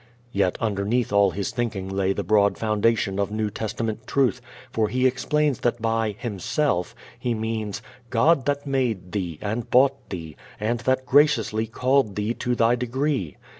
Yet underneath all his thinking lay the broad foundation of New Testament truth, for he explains that by "Himself" he means "God that made thee, and bought thee, and that graciously called thee to thy degree."